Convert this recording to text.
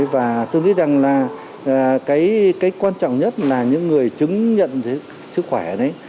và tôi nghĩ rằng là cái quan trọng nhất là những người chứng nhận sức khỏe ở đấy